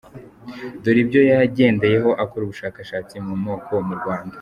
Dore ibyo yagendeyeho akora ubushakashatsi ku moko mu Rwanda.